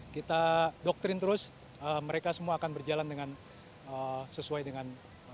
kita doktrin terus mereka semua akan berjalan dengan sesuai dengan